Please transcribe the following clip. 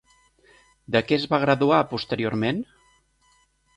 De què es va graduar posteriorment?